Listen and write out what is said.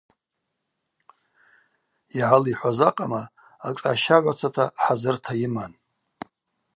Йгӏалихӏваз акъама ашӏа щагӏвацата хӏазырта йыман.